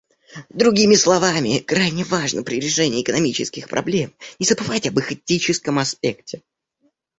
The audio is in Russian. Другими словами, крайне важно при решении экономических проблем не забывать об их этическом аспекте.